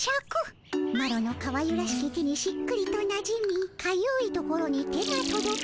マロのかわゆらしき手にしっくりとなじみかゆい所に手がとどき。